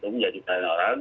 menjadi perhatian orang